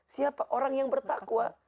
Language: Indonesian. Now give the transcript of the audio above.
siapa orang yang bertakwa